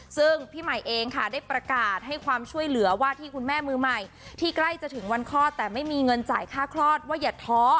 ซึ่งพี่ใหม่เองค่ะได้ประกาศให้ความช่วยเหลือว่าที่คุณแม่มือใหม่ที่ใกล้จะถึงวันคลอดแต่ไม่มีเงินจ่ายค่าคลอดว่าอย่าท้อ